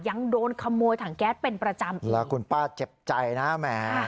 ยังโดนขโมยถังแก๊สเป็นประจำแล้วคุณป้าเจ็บใจนะแหม